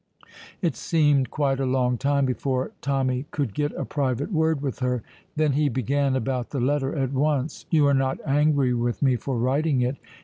It seemed quite a long time before Tommy could get a private word with her. Then he began about the letter at once. "You are not angry with me for writing it?"